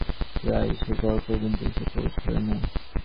প্রায়ই সে ঘর পর্যন্ত এসে পৌঁছয় না।